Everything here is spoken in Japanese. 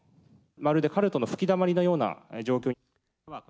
まるでカルトの吹きだまりのような状況。